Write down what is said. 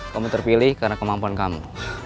kamu terpilih karena kemampuan kamu